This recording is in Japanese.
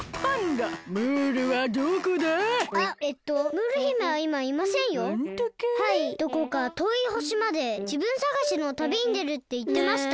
はいどこかとおいほしまでじぶんさがしのたびにでるっていってました。